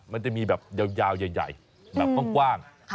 มันจะมีแบบยาวใหญ่แบบกว้าง